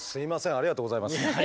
ありがとうございます。